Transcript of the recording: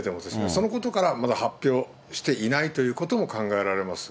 そのことから、まだ発表していないということも考えられます。